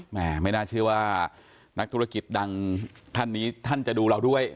ไม่น่าเชื่อว่านักธุรกิจดังท่านจะดูเราด้วย